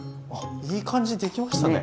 いい感じにできましたね。